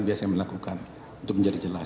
biasanya melakukan untuk menjadi jelas